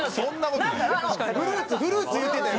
フルーツフルーツ言うてたよ